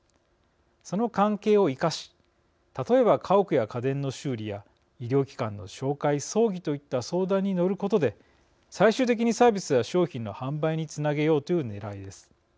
その関係を生かし例えば、家屋や家電の修理や医療機関の紹介葬儀といった相談に乗ることで最終的にサービスや商品の販売につなげようというねらいです。